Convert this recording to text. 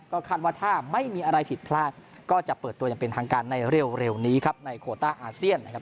ก็คาดว่าถ้าไม่มีอะไรผิดพลาดก็จะเปิดตัวอย่างเป็นทางการในเร็วนี้ครับในโคต้าอาเซียนนะครับ